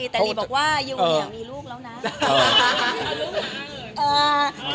แต่เลยบอกว่ายังไม่ทักลุ่มแล้วนะ